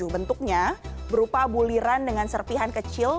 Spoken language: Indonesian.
bentuknya berupa buliran dengan serpihan kecil